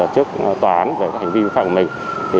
trước tòa án về các hành vi vi phạm của mình